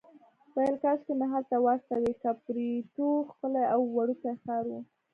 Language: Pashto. ویل کاشکې مې هلته واستوي، کاپوریتو ښکلی او وړوکی ښار و.